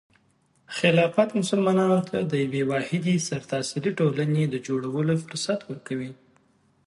خلافت مسلمانانو ته د یوې واحدې سرتاسري ټولنې د جوړولو فرصت ورکوي.